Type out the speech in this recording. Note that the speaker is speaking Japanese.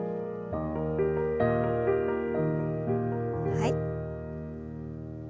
はい。